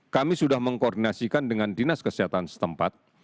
kami sudah mengkoordinasikan dengan dinas kesehatan setempat